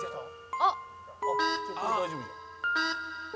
「あっ」